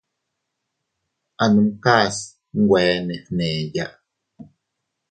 A numkas nwe ne fgneya.